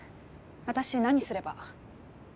私何すれば？